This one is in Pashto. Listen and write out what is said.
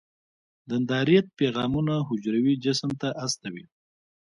دندرایت پیغامونه حجروي جسم ته استوي.